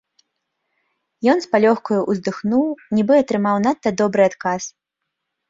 Ён з палёгкаю ўздыхнуў, нібы атрымаў надта добры адказ.